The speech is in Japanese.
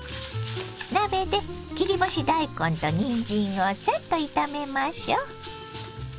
鍋で切り干し大根とにんじんをサッと炒めましょ。